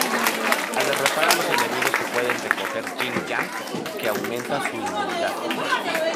Al derrotar a los enemigos que pueden recoger ying-yang que aumenta su inmunidad.